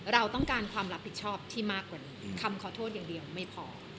เราต้องการความรับผิดชอบที่มากกว่าคำขอโทษอย่างเดียวไม่พอ